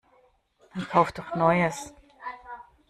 Dann Kauf doch Neues!